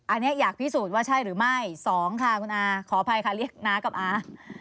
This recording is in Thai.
อันนี้อยากพิสูจน์ว่าใช่หรือไม่สองค่ะคุณอาขออภัยค่ะเรียกน้ากับอา